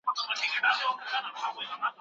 د کومو شاعرانو حمدونه مو لوستي دي؟